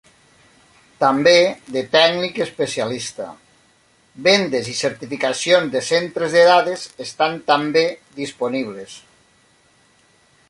També de tècnic especialista, vendes i certificacions de centres de dades estan també disponibles.